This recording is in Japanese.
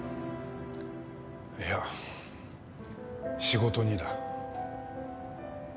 いや仕事にだ。